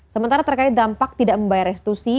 sementara terkait dampak tidak membayar restitusi